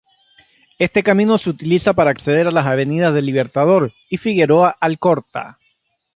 Este camino se utiliza para acceder a las avenidas del Libertador y Figueroa Alcorta.